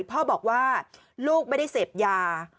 พ่อบอกว่าลูกไม่ได้เสพยา